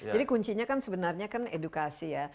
jadi kuncinya sebenarnya kan edukasi ya